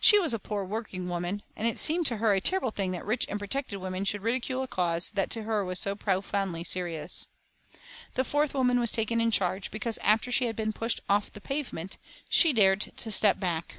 She was a poor working woman, and it seemed to her a terrible thing that rich and protected women should ridicule a cause that to her was so profoundly serious. The fourth woman was taken in charge, because after she had been pushed off the pavement, she dared to step back.